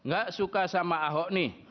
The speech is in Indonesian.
gak suka sama ahok nih